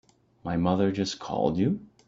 My mother just called you?